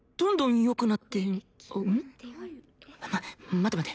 待て待て。